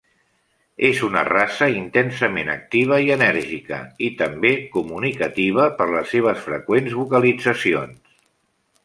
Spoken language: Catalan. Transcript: És una raça intensament activa i enèrgica, i també comunicativa per les seves freqüents vocalitzacions.